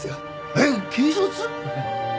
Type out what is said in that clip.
えっ警察！？